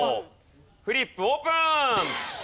フリップオープン！